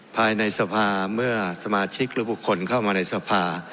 ภายในสภาเมื่อสมาชิกหรือบุคคลเข้ามาในสภา